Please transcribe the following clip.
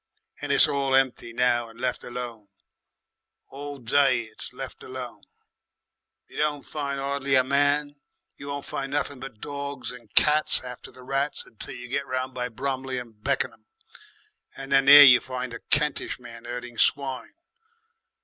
"And it's all empty now and left alone. All day it's left alone. You don't find 'ardly a man, you won't find nothing but dogs and cats after the rats until you get round by Bromley and Beckenham, and there you find the Kentish men herding swine.